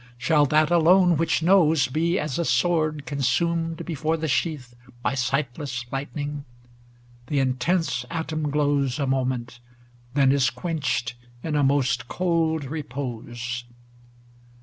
Shall that alone which knows Be as a sword consumed before the sheath By sightless lightning ? the intense atom glows A moment, then is quenched in a most cold repose.